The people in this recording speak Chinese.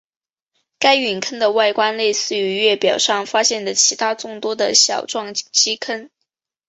该陨坑的外观类似于月表上发现的其它众多的小撞击坑。